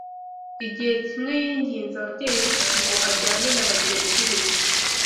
Igihe kimwe yinginze ababyeyi ngo ajyane na bagenzi be